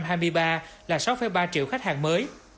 năm hai nghìn hai mươi ba là sáu ba triệu khách hàng mới